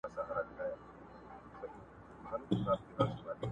o فقير ته چي لار ورکې، د کور سر ته خېژي!